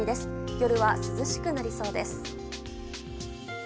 夜は涼しくなりそうです。